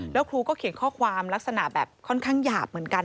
แล้วครูก็เขียนข้อความลักษณะแบบค่อนข้างหยาบเหมือนกัน